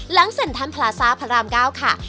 หลังเสร็จทางพลาซาพระรามเก้าค่ะ